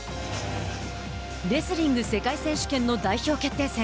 レスリング世界選手権の代表決定戦。